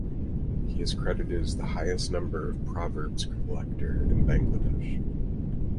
He is credited as the highest number of proverbs collector in Bangladesh.